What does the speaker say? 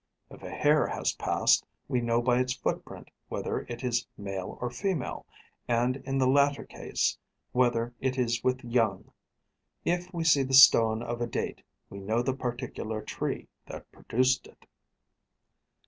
If a hare has passed, we know by its footprint whether it is male or female, and, in the latter case, whether it is with young. If we see the stone of a date, we know the particular tree that produced it.'